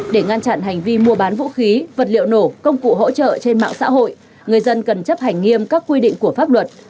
để ngăn chặn hành vi mua bán vũ khí vật liệu nổ công cụ hỗ trợ trên mạng xã hội người dân cần chấp hành nghiêm các quy định của pháp luật